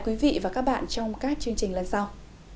quý vị và các bạn trong các chương trình lần sau